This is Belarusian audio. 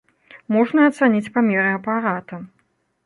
Можна ацаніць памеры апарата.